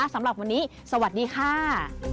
สำหรับวันนี้สวัสดีค่ะ